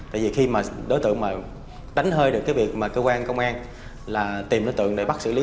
tại vì khi đối tượng đánh hơi được việc cơ quan công an tìm đối tượng để bắt xử lý